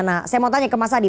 nah saya mau tanya ke mas adi